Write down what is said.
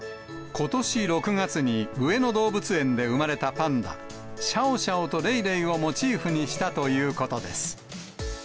ことし６月に上野動物園で産まれたパンダ、シャオシャオとレイレイをモチーフにしたということです。